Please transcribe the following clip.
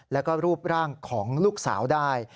แล้วก็รูปร่างของลูกสาวได้